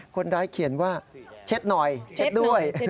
คนร้ายเขียนว่าเช็ดหน่อยเช็ดด้วย